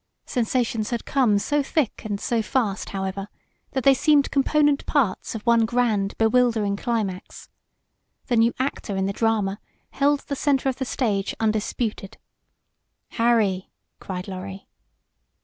Sensations had come so thick and so fast, however, that they seemed component parts of one grand bewildering climax. The new actor in the drama held the center of the stage undisputed. "Harry!" cried Lorry.